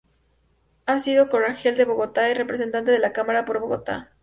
Ha sido Concejal de Bogotá y Representante a la Cámara por Bogotá.